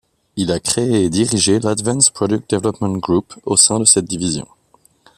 Il a créé et dirigé l'Advanced Product Development Group au sein de cette division.